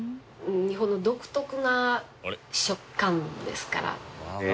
日本の独特な食感ですから。